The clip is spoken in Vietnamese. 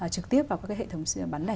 trực tiếp vào các hệ thống bán đẻ